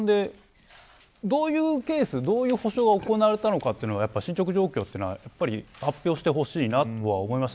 どういうケース、どういう補償が行われたのか進捗状況は発表してほしいとは思います。